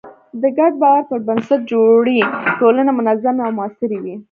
د ګډ باور پر بنسټ جوړې ټولنې منظمې او موثرې وي.